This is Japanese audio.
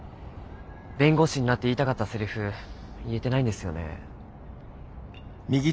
弁護士になって言いたかったセリフ言えてないんですよね。